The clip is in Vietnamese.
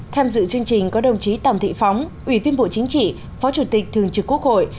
tham dự chương trình có đồng chí tòng thị phóng ủy viên bộ chính trị phó chủ tịch thường trực quốc hội